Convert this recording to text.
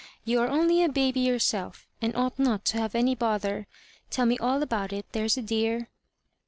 Tou are only a baby yourself, and ought not to hav«^ any bother. Tell me all about it, there's a dear."